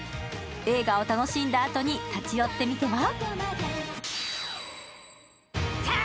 映画を楽しんだあとに立ち寄ってみては？